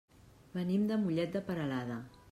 Venim de Mollet de Peralada.